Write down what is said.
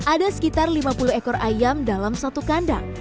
ada sekitar lima puluh ekor ayam dalam satu kandang